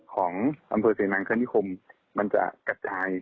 ของอำเภอเศรษฐนาคารที่คมมันจะกระจาย